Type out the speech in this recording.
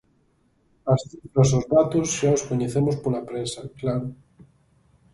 As cifras, os datos, xa os coñecemos pola prensa, claro.